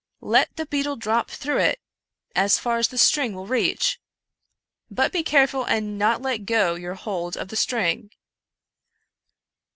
" Let the beetle drop through it, as far as the string will reach — but be careful and not let go your hold of the string."